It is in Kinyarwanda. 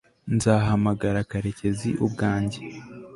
nzahamagara karekezi ubwanjye